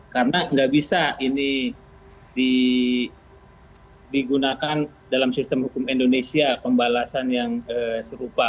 karena nggak bisa ini digunakan dalam sistem hukum indonesia pembalasan yang serupa